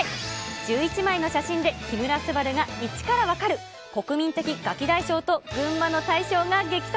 １１枚の写真で、木村昂が１から分かる国民的ガキ大将とぐんまの大将が激突。